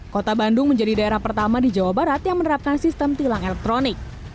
kota bandung menjadi daerah pertama di jawa barat yang menerapkan sistem tilang elektronik